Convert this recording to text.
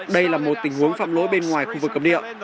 đây là một tình huống phạm lỗi bên ngoài khu vực cấm địa